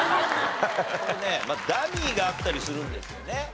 ダミーがあったりするんですよね。